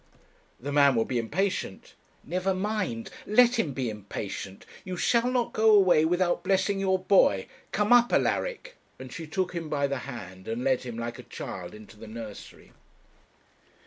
'The man will be impatient.' 'Never mind; let him be impatient you shall not go away without blessing your boy; come up, Alaric.' And she took him by the hand and led him like a child into the nursery.